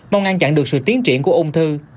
mong ngăn chặn được sự tiến triển của ung thư